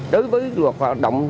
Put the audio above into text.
đối với luật hoạt động